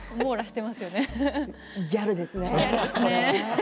ギャルですね。